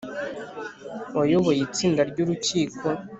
wayoboye itsinda ry Urukiko